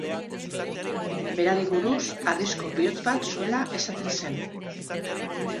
Berari buruz, harrizko bihotz bat zuela esaten zen.